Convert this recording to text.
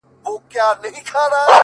• بلا وهلی يم؛ چي تا کوم بلا کومه؛